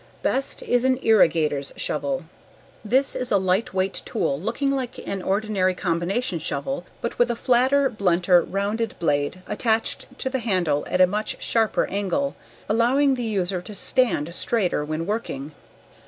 Best is an "irrigator's shovel." This is a lightweight tool looking like an ordinary combination shovel but with a flatter, blunter rounded blade attached to the handle at a much sharper angle, allowing the user to stand straighter when working.